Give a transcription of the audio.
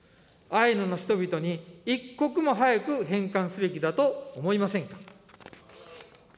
アイヌの人々に一刻も早く返還すべきだと思いませんか。